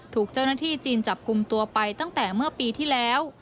ถูกเจ้าหน้าที่จีนจับกลุ่มตัวไปตั้งแต่เมื่อปีที่แล้ว